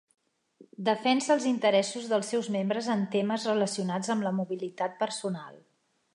Defensa els interessos dels seus membres en temes relacionats amb la mobilitat personal.